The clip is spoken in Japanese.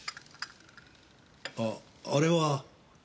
あああれは。